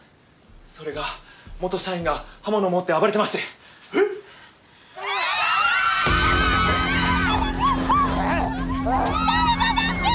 それが元社員が刃物を持って暴れてまして誰か助けて！